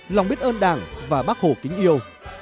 lòng biết ơn đảng và bác hồ kính yêu